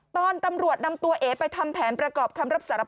ตำรวจนำตัวเอไปทำแผนประกอบคำรับสารภาพ